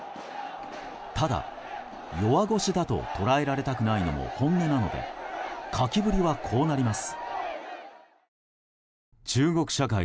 ただ、弱腰だと捉えられたくないのも本音なので書きぶりはこうなります。